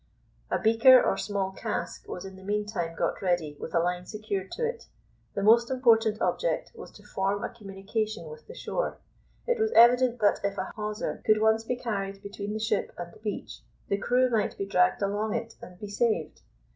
A beaker or small cask was in the meantime got ready with a line secured to it. The most important object was to form a communication with the shore. It was evident that if a hawser could once be carried between the ship and the beach, the crew might be dragged along it and be saved.